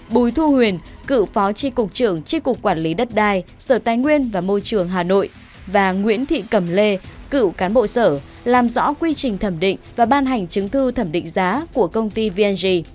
bùi thu huyền cựu phó tri cục trưởng tri cục quản lý đất đai sở tài nguyên và môi trường hà nội và nguyễn thị cẩm lê cựu cán bộ sở làm rõ quy trình thẩm định và ban hành chứng thư thẩm định giá của công ty vn